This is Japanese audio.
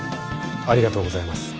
ありがとうございます。